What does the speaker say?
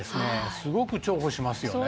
すごく重宝しますよね。